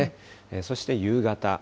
そして夕方。